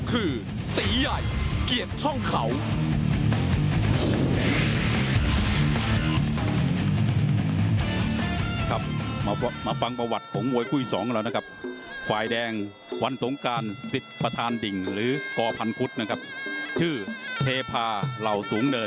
กลายเกียรติท่องเขา